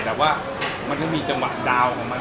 แต่ว่ามันก็มีจังหวะดาวของมัน